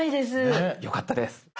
あっよかったです。